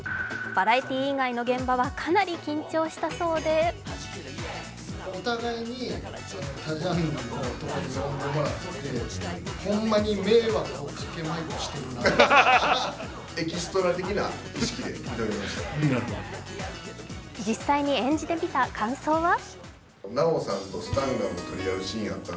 バラエティー以外の現場はかなり緊張したそうで実際に演じてみた感想は？